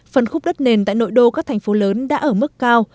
phần khúc đất nền tại nội đô các thành phố lớn đã ở mức cao